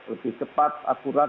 lebih cepat akurat